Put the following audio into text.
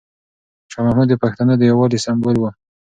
شاه محمود د پښتنو د یووالي یو سمبول و.